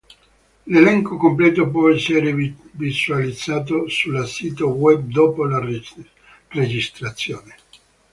L'elenco completo può essere visualizzato sulla sito web dopo la registrazione.